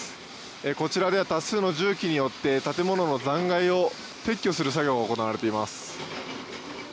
こちらでは多数の重機によって建物の残骸を撤去する作業が行われています。